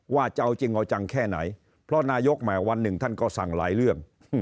ว่าจะเอาจริงเอาจังแค่ไหนเพราะนายกแหมวันหนึ่งท่านก็สั่งหลายเรื่อง